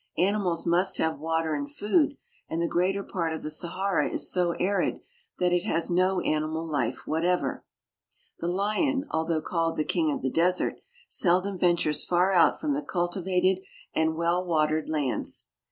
Animals must have water and food, and the greater part of the Sahara is so arid that it has no animal Ufe whatever. The lion, although called the king of the desert, seldom ventures far out from the cultivated and well watered lands.